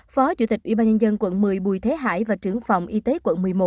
phó chủ tịch ubnd quận một mươi bùi thế hải và trưởng phòng y tế quận một mươi một